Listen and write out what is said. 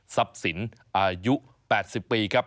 ทรัพย์สินอายุ๘๐ปีครับ